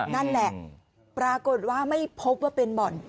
นั่นแหละปรากฏว่าไม่พบว่าเป็นบ่อน